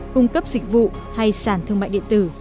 cung cấp dịch vụ hay sản thương mại điện tử